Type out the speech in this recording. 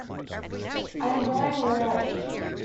I am growing wary.